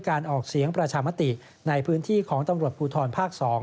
ออกเสียงประชามติในพื้นที่ของตำรวจภูทรภาค๒